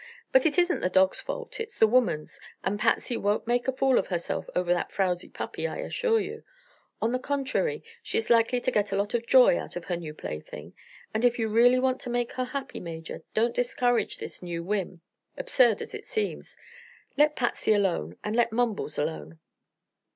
But it isn't the dog's fault. It's the woman's. And Patsy won't make a fool of herself over that frowsy puppy, I assure you. On the contrary, she's likely to get a lot of joy out of her new plaything, and if you really want to make her happy, Major, don't discourage this new whim, absurd as it seems. Let Patsy alone. And let Mumbles alone."